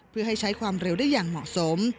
เพื่อให้ใช้ความเร็วได้อย่างเหมาะสม